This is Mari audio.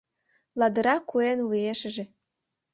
Ладыра куэн вуешыже